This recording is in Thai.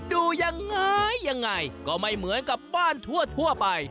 ดูยังไงยังไงก็ไม่เหมือนกับบ้านทั่วไป